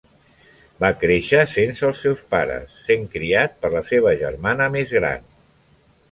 Va créixer sense els seus pares, sent criat per la seva germana més gran.